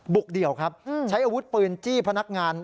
เดี่ยวครับใช้อาวุธปืนจี้พนักงาน